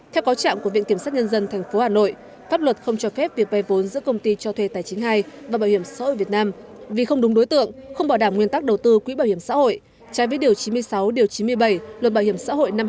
theo cáo trạng của viện kiểm sát nhân dân tp hà nội pháp luật không cho phép việc bày vốn giữa công ty cho thuê tài chính hai và bảo hiểm xã hội việt nam vì không đúng đối tượng không bảo đảm nguyên tắc đầu tư quỹ bảo hiểm xã hội trái với điều chín mươi sáu điều chín mươi bảy luật bảo hiểm xã hội năm hai nghìn một mươi